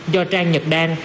do trang nhật đan